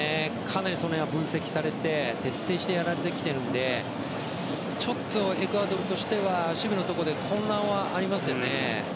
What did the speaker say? かなり、その辺は分析されて徹底してやっているのでエクアドルとしては守備のところで混乱はありますよね。